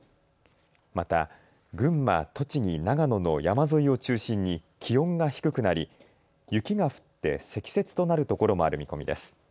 また群馬、栃木、長野の山沿いを中心に気温が低くなり雪が降って積雪となるところもある見込みです。